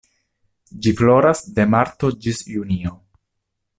Ĝi floras de marto ĝis junio.